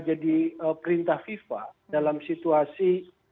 jadi perintah fifa dalam situasi